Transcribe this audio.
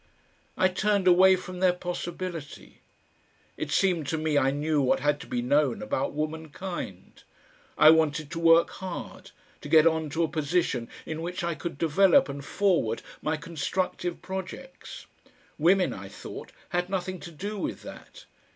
I turned away from their possibility. It seemed to me I knew what had to be known about womankind. I wanted to work hard, to get on to a position in which I could develop and forward my constructive projects. Women, I thought, had nothing to do with that.